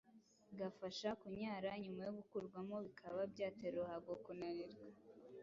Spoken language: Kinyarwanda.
gafasha kunyara. Nyuma yo gukurwamo bikaba byatera uruhago kunanirwa